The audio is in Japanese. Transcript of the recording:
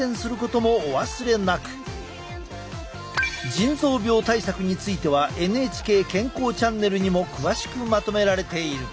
腎臓病対策については「ＮＨＫ健康チャンネル」にも詳しくまとめられている。